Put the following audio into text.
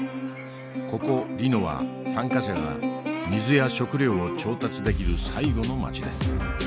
ここリノは参加者が水や食料を調達できる最後の街です。